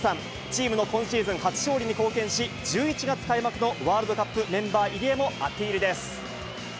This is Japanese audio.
チームの今シーズン初勝利に貢献し、１１月開幕のワールドカップメンバー入りへもアピールです。